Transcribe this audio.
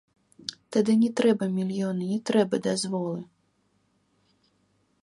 Тады не трэба мільёны, не трэба дазволы.